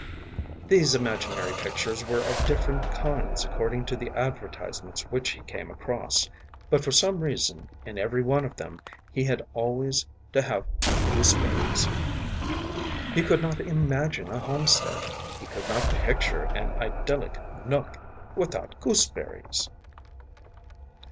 These imaginary pictures were of different kinds according to the advertisements which he came across, but for some reason in every one of them he had always to have gooseberries. He could not imagine a homestead, he could not picture an idyllic nook, without gooseberries.